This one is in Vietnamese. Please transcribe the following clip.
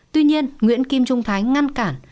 tuy nhiên nguyễn kim trung thái ngăn cản